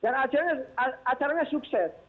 dan acaranya sukses